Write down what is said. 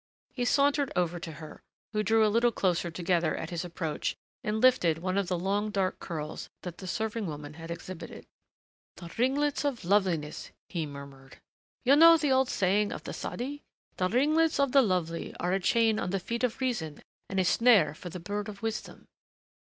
He sauntered over to her, who drew a little closer together at his approach, and lifted one of the long dark curls that the serving woman had exhibited. "The ringlets of loveliness," he murmured. "You know the old saying of the Sadi? 'The ringlets of the lovely are a chain on the feet of reason and a snare for the bird of wisdom.'...